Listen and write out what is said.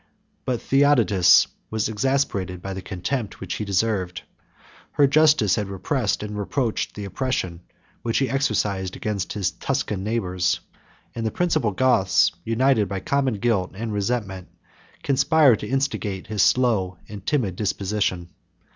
But Theodatus was exasperated by the contempt which he deserved: her justice had repressed and reproached the oppression which he exercised against his Tuscan neighbors; and the principal Goths, united by common guilt and resentment, conspired to instigate his slow and timid disposition.